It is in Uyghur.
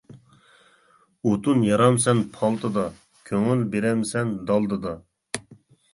ئوتۇن يارامسەن پالتىدا، كۆڭۈل بېرەمسەن دالدىدا.